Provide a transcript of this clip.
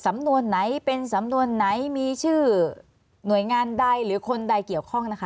สำนวนไหนเป็นสำนวนไหนมีชื่อหน่วยงานใดหรือคนใดเกี่ยวข้องนะคะ